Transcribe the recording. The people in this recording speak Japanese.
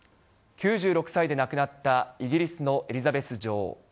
９６歳で亡くなったイギリスのエリザベス女王。